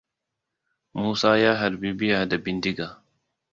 Musa ya harbi bear da bindiga.